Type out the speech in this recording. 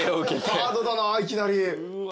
ハードだないきなり。